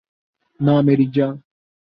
نہ مری جاں